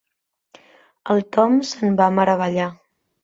El Tom se'n va meravellar.